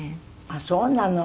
あっそうなの。